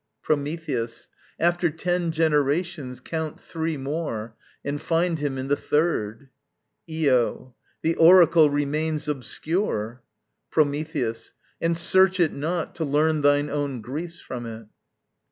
Prometheus. After ten generations, count three more, And find him in the third. Io. The oracle Remains obscure. Prometheus. And search it not, to learn Thine own griefs from it.